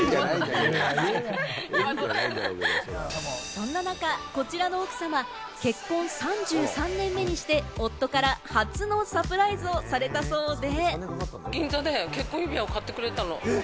そんな中、こちらの奥様、結婚３３年目にして、夫から初のサプライズをされたそうで。